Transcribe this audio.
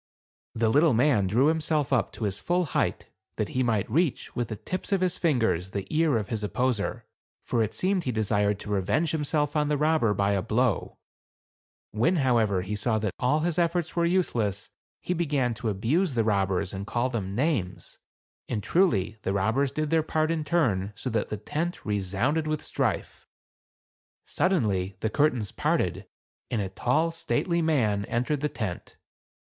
The little man drew himself up to his full height, that he might reach, with the tips of his lingers, the ear of his opposer ; for it seemed he desired to revenge himself on the robber by a blow ; when, however, he saw that all his efforts were useless, he began to abuse the robbers, and call them names ; and, truly, the robbers did their part in turn, so that the tent resounded with strife. Sud denly, the curtains parted and a tall, stately man entered the tent.